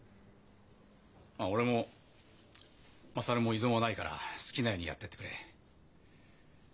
俺も優も異存はないから好きなようにやってってくれ。